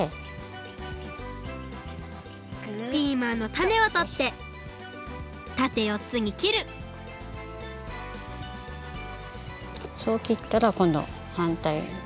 ピーマンのタネをとってたてよっつに切るそう切ったらこんどはんたい。